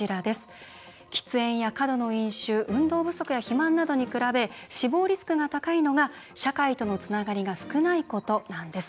喫煙や過度の飲酒運動不足や肥満などに比べ死亡リスクが高いのが社会とのつながりが少ないことなんです。